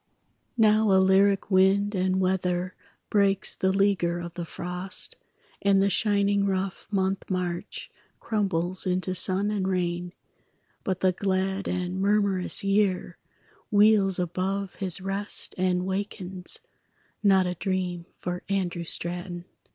Now a lyric wind and weather Breaks the leaguer of the frost, And the shining rough month March Crumbles into sun and rain; But the glad and murmurous year Wheels above his rest and wakens Not a dream for Andrew Straton.